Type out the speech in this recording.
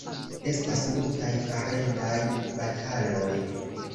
Estas multaj farendaj bataloj.